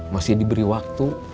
masih diberi waktu kang